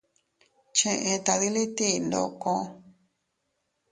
Cheʼe tadiliti ndoko.